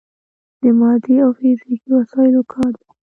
د مادي او فزیکي وسايلو کار دی.